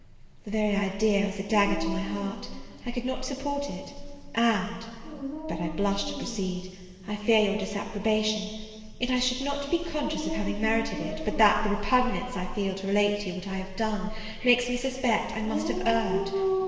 The very idea was a dagger to my heart! I could not support it, and but I blush to proceed I fear your disapprobation; yet I should not be conscious of having merited it, but that the repugnance I feel to relate to you what I have done, makes me suspect I must have erred.